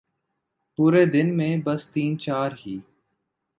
پورے دن میں بس تین چار ہی ۔